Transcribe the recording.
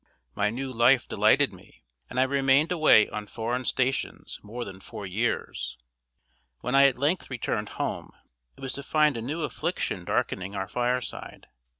My new life delighted me, and I remained away on foreign stations more than four years. When I at length returned home, it was to find a new affliction darkening our fireside.